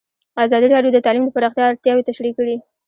ازادي راډیو د تعلیم د پراختیا اړتیاوې تشریح کړي.